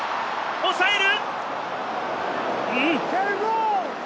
抑える！